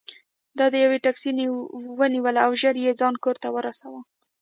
ده یوه ټکسي ونیوله او ژر یې ځان کور ته ورساوه.